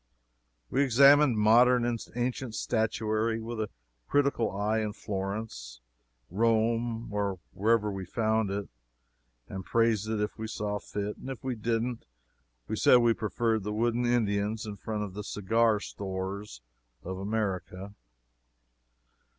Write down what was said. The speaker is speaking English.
We examined modern and ancient statuary with a critical eye in Florence, Rome, or any where we found it, and praised it if we saw fit, and if we didn't we said we preferred the wooden Indians in front of the cigar stores of America.